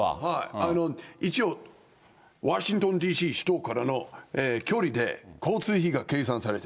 一応、ワシントンＤＣ首都からの距離で交通費が計算されて、